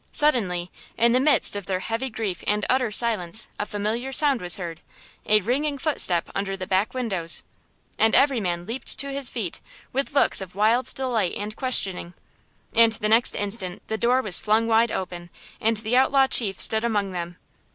Suddenly, in the midst of their heavy grief and utter silence a familiar sound was heard–a ringing footstep under the back windows. And every man leaped to his feet, with looks of wild delight and questioning. And the next instant the door was flung wide open, and the outlaw chief stood among them!